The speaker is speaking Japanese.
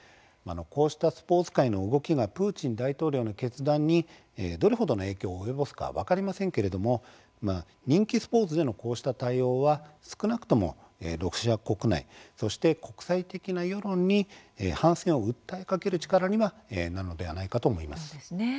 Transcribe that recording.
こうしたスポーツ界の動きがプーチン大統領の決断にどれほどの影響を及ぼすかは分かりませんけれども人気スポーツでのこうした対応は少なくともロシア国内そして国際的な世論に反戦を訴えかける力にはなるのではないかと思います。